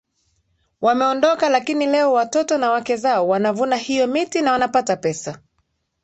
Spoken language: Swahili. wameondoka lakini leo watoto na wake zao wanavuna hiyo miti na wanapata pesa